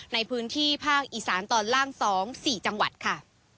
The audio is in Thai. ในพื้นที่ภาคอีสานตอนล่าง๒๔จังหวัดค่ะ